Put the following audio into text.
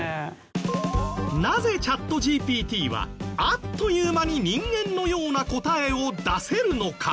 なぜチャットＧＰＴはあっという間に人間のような答えを出せるのか。